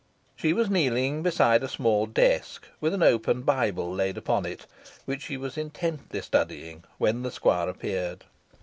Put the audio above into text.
She was kneeling beside a small desk, with an open Bible laid upon it, which she was intently studying when the squire appeared.